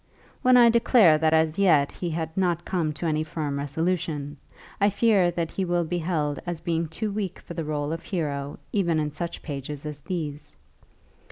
When I declare that as yet he had not come to any firm resolution, I fear that he will be held as being too weak for the rôle of hero even in such pages as these.